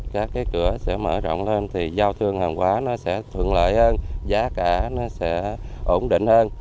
các cửa sẽ mở rộng lên thì giao thương hàng hóa sẽ thượng lợi hơn giá cả sẽ ổn định hơn